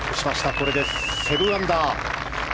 これで７アンダー。